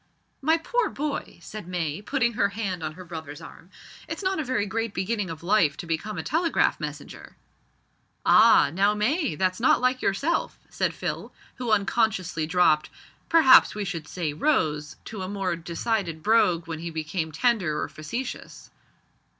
"My poor boy," said May, putting her hand on her brother's arm, "it's not a very great beginning of life to become a telegraph messenger." "Ah! now, May, that's not like yourself," said Phil, who unconsciously dropped perhaps we should say rose to a more decided brogue when he became tender or facetious.